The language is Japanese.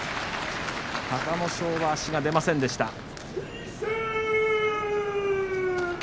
隆の勝は足が出ませんでした。